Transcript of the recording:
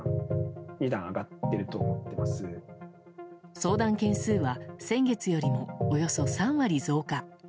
相談件数は先月よりもおよそ３割増加。